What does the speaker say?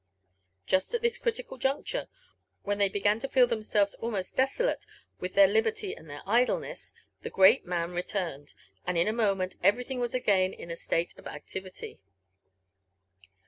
Just at this critical juncture, when they began to feel themselves almost desolate with their liberty and their idleness, the great man returned, and in a moment everything was again in a state of activity.